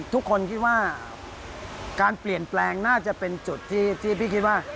ทุกคนคิดว่าการเปลี่ยนแปลงน่าจะเป็นจุดที่พี่คิดว่า